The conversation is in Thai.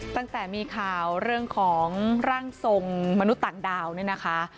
ตั้งแต่มีข่าวเรื่องของร่างทรงมนุษย์ต่างดาวเนี่ยนะคะ